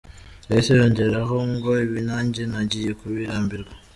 Yahise yongeraho ngo ibi nanjye ntagiye kubirambirwa.